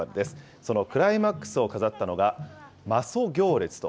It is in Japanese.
そのクライマックスを飾ったのが、媽祖行列と。